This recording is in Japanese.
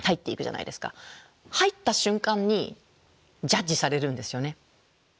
入った瞬間にジャッジされるんですよね。